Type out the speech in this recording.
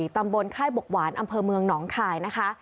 ตำบลค่ายบกหวานอำเภอเมืองหนองคายนะคะ